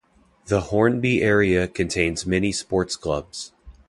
The Hornby area contains many sports clubs.